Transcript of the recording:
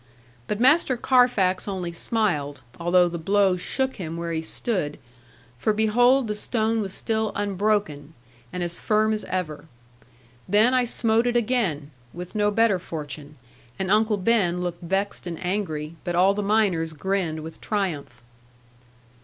But Master Carfax only smiled, although the blow shook him where he stood, for behold the stone was still unbroken, and as firm as ever. Then I smote it again, with no better fortune, and Uncle Ben looked vexed and angry, but all the miners grinned with triumph.